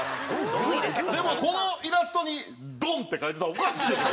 でもこのイラストに「ドン」って書いてたらおかしいでしょ！